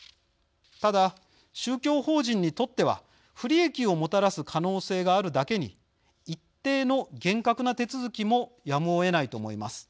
ただ、宗教法人にとっては不利益をもたらす可能性があるだけに一定の厳格な手続きもやむをえないと思います。